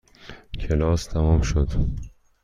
کلاس تمام شد.